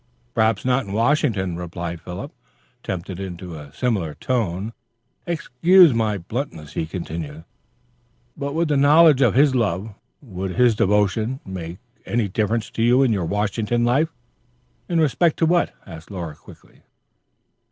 "Perhaps not in Washington," replied Philip, tempted into a similar tone. "Excuse my bluntness," he continued, "but would the knowledge of his love; would his devotion, make any difference to you in your Washington life?" "In respect to what?" asked Laura quickly.